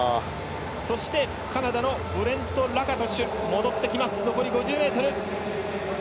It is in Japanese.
そしてカナダのブレント・ラカトシュ戻ってきます。